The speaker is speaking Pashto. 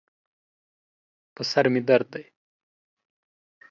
په سر مې درد دی